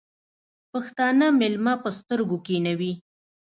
پښتانه مېلمه په سترگو کېنوي.